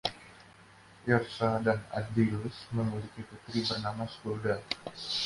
Yrsa dan Adillus memiliki putri bernama Scullda.